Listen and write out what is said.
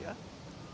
bukan untuk penonton